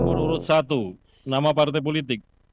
nomor urut satu nama partai politik